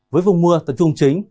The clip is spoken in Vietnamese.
với vùng mưa tập trung chính